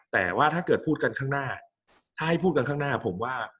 แต่ว่าถ้าเกิดพูดกันข้างหน้าถ้าให้พูดกันข้างหน้าผมว่า